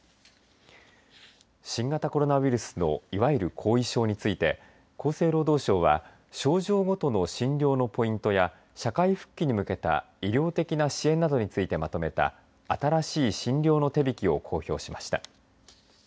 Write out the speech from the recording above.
新型コロナウイルスのいわゆる後遺症について厚生労働省は、症状ごとの診療のポイントや社会復帰に向けた医療的な支援などについてまとめた新しい診療の手引きを公表しました。